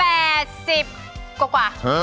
ประมาณ๘๐กว่า